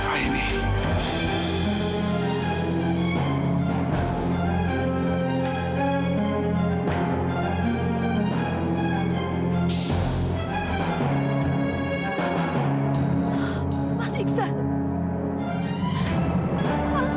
berarti masih senyum aja sama aku mas